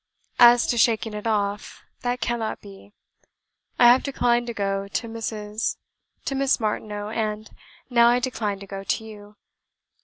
As to shaking it off, that cannot be. I have declined to go to Mrs. , to Miss Martineau, and now I decline to go to you.